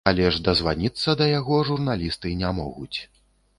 Але ж дазваніцца да яго журналісты не могуць.